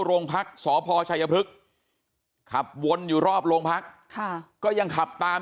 โรงพักษ์สพชัยพฤกษ์ขับวนอยู่รอบโรงพักค่ะก็ยังขับตาม